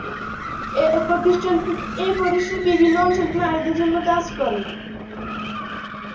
এই প্রতিষ্ঠান বিভিন্ন অঞ্চলে নারীদের জন্য কাজ করে।